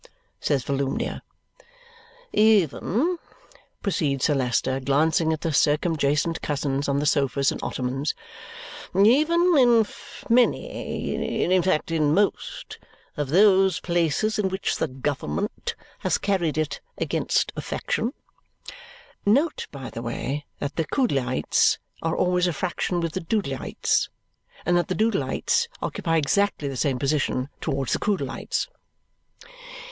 says Volumnia. "Even," proceeds Sir Leicester, glancing at the circumjacent cousins on sofas and ottomans, "even in many in fact, in most of those places in which the government has carried it against a faction " (Note, by the way, that the Coodleites are always a faction with the Doodleites, and that the Doodleites occupy exactly the same position towards the Coodleites.)